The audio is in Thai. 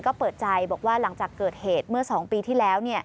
ก็เปิดใจบอกว่าหลังจากเกิดเหตุเมื่อ๒ปีที่แล้ว